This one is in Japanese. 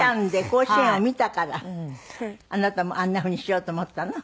甲子園を見たからあなたもあんなふうにしようと思ったの？